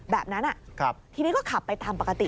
แบบนั้นทีนี้ก็ขับไปตามปกติ